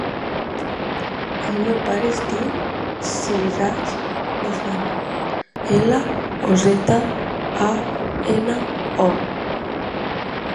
El meu pare es diu Siraj Lozano: ela, o, zeta, a, ena, o.